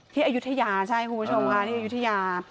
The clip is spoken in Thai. อายุทยาใช่คุณผู้ชมค่ะที่อายุทยา